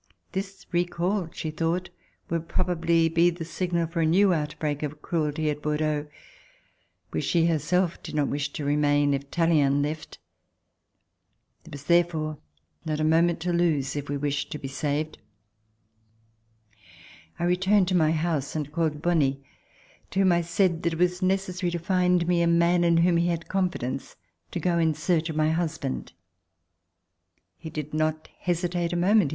This re call she thought would probably be the signal for a new outbreak of cruelty at Bordeaux, where she herself did not wish to remain if Tallien left. There was there fore not a moment to lose if we wished to be saved. I returned to my house and called Bonie, to whom I said that it was necessary to find me a man in whom he had confidence, to go in search of my husband. He did not hesitate a moment.